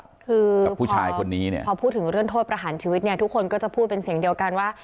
คือพอพูดถึงเรื่องโทษประหารชีวิตเนี่ยทุกคนก็จะพูดเป็นเสียงเดียวกันว่า